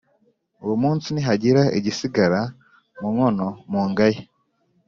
Uwo munsi ntihagira igisigara mu nkono mungaye